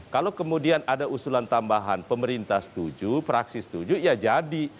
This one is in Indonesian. kalau kemudian ada usulan tambahan pemerintah setuju praksi setuju ya jadi